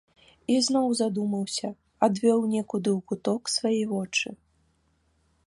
І зноў задумаўся, адвёў некуды ў куток свае вочы.